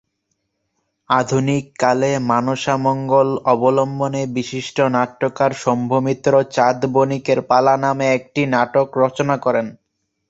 আধুনিক কালে "মনসামঙ্গল" অবলম্বনে বিশিষ্ট নাট্যকার শম্ভু মিত্র "চাঁদ বণিকের পালা" নামে একটি নাটক রচনা করেন।